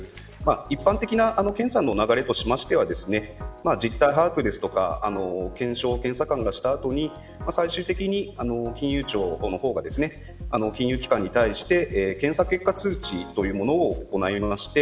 一般的な検査の流れとしては実態把握とか検証を検査官がした後に最終的に金融庁の方が金融機関に対して検査結果通知というものを行います。